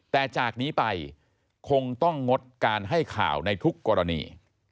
แต่จากนี้ไปคงต้องงดการให้ข่าวในทุกกรณี